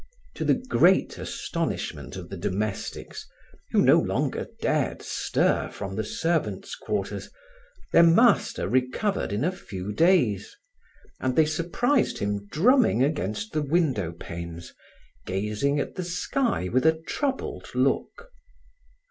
To the great astonishment of the domestics, who no longer dared stir from the servants' quarters, their master recovered in a few days, and they surprised him drumming against the window panes, gazing at the sky with a troubled look.